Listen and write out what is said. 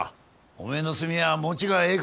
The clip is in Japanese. おめえの炭は持ちがええからな。